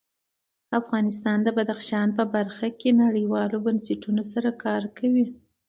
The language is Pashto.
افغانستان د بدخشان په برخه کې نړیوالو بنسټونو سره کار کوي.